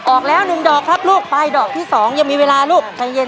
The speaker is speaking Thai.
ออกแล้ว๑ดอกครับลูกไปดอกที่๒ยังมีเวลาลูกใจเย็น